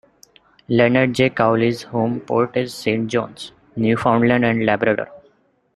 "Leonard J. Cowley"s home port is Saint John's, Newfoundland and Labrador.